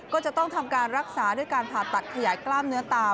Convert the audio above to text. ก็จะต้องทำการรักษาด้วยการผ่าตัดขยายกล้ามเนื้อตา